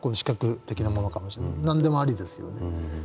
何でもありですよね。